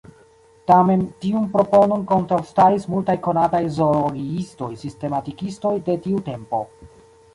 Tamen, tiun proponon kontraŭstaris multaj konataj zoologiistoj-sistematikistoj de tiu tempo.